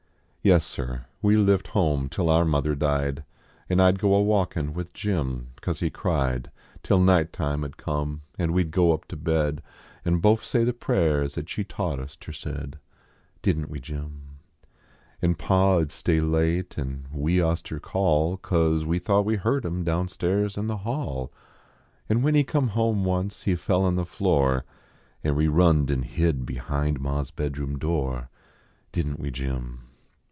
Yes, sir ; we lived home till our mother died, An I d go a walkin with Jim, cause he cried, Till night time ud come, nd we d go up to bed An* bofe say the prayers at she taught us ter said Didn t we, Jim ? An pa ud stay late, an we uster call, Cause we thought we heard im down stairs in the hall An when he come home once he fell on the floor, An we run d an hid behind ma s bedroom door Didn t we, Jim